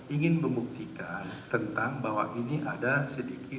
ingin membuktikan tentang bahwa ini ada sedikit